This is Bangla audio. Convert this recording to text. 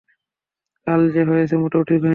কাল যা হয়েছে মোটেও ঠিক হয়নি।